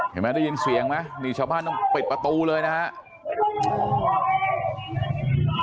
เห็นไหมได้ยินเสียงไหมนี่ชาวบ้านต้องปิดประตูเลยนะครับ